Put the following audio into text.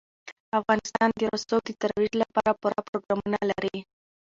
افغانستان د رسوب د ترویج لپاره پوره پروګرامونه لري.